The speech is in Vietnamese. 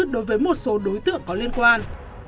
đối với một số đối tượng có liên quan